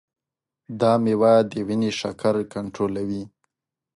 دا مېوه د وینې شکر کنټرولوي.